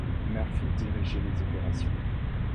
Murphy dirigeait les opérations.